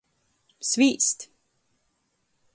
Svīst.